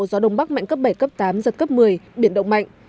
gió đông bắc mạnh cấp bảy cấp tám giật cấp một mươi biển động mạnh